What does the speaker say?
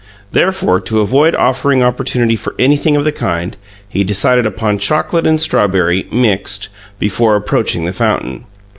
Therefore, to avoid offering opportunity for anything of the kind, he decided upon chocolate and strawberry, mixed, before approaching the fountain.